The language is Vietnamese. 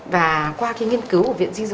và qua cái nghiên cứu của viện di dự